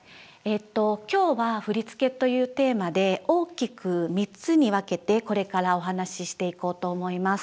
今日は「振付」というテーマで大きく３つに分けてこれからお話ししていこうと思います。